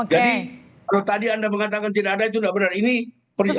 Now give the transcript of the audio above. jadi kalau tadi anda mengatakan tidak ada itu tidak benar ini perhiasan